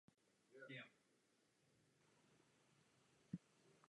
Znovu usedl jako člen do výboru pro zahraniční záležitosti a obranu.